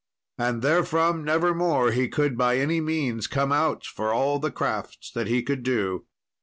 And therefrom nevermore he could by any means come out for all the crafts that he could do.